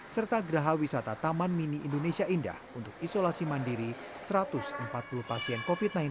serta geraha wisata taman mini indonesia indah untuk isolasi mandiri satu ratus empat puluh pasien covid sembilan belas